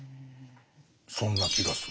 そんな気がする。